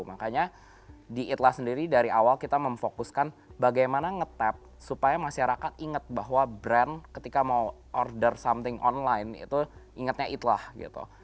makanya di itlah sendiri dari awal kita memfokuskan bagaimana nge tap supaya masyarakat inget bahwa brand ketika mau order something online itu ingetnya itlah gitu